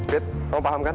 bet kamu paham kan